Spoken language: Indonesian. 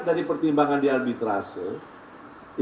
dari pertimbangan di arbitrasenya